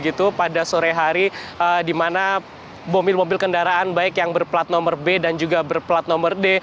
jadi itu pada sore hari di mana mobil mobil kendaraan baik yang berplat nomor b dan juga berplat nomor d